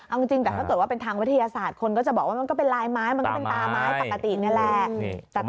เอาจริงแต่ถ้าเกิดว่าเป็นทางวิทยาศาสตร์คนก็จะบอกว่ามันก็เป็นลายไม้มันก็เป็นตาไม้ปกตินี่แหละ